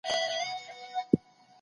که په لاس لیکل سوی خط خراب وي.